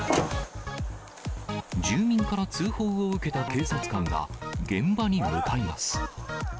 住民から通報を受けた警察官が、現場に向かいます。